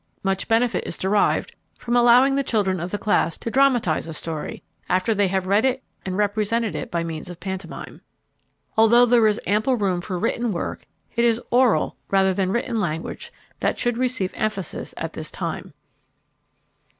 Much benefit is derived from allowing the children of the class to dramatize a story after they have read it and represented it by means of pantomime. Although there is ample room for written work, it is oral rather than written language that should receive emphasis at this time.